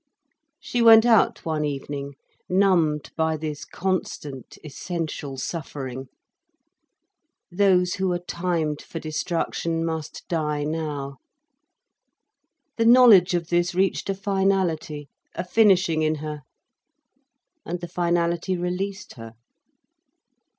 She went out one evening, numbed by this constant essential suffering. Those who are timed for destruction must die now. The knowledge of this reached a finality, a finishing in her. And the finality released her.